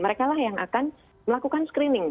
mereka lah yang akan melakukan screening